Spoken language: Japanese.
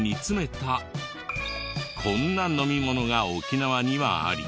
こんな飲み物が沖縄にはあり。